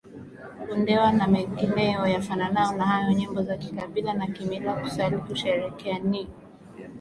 Undewa na mengineyo yafananayo na hayo nyimbo za kikabila za kimila kusali kusheherekea Ni